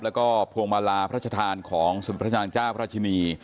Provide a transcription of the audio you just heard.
แล้วก็พวงมาลาพระชาธารของสมบัติพระชาญจ้าพระราชินี